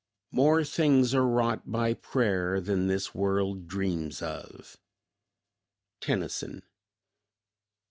"More things are wrought by prayer Than this world dreams of." Tennyson.